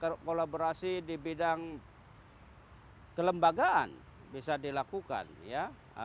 kalau kolaborasi di bidang kelembagaan bisa dilakukan ya